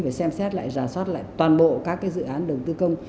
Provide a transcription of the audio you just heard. phải xem xét lại giả soát lại toàn bộ các cái dự án đầu tư công